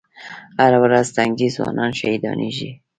هره ورځ تنکي ځوانان شهیدانېږي